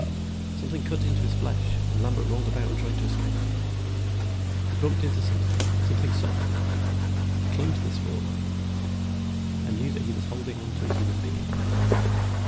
Something cut into his flesh, and Lambert rolled about, trying to escape. He bumped into something, something soft; he clung to this form, and knew that he was holding on to a human being.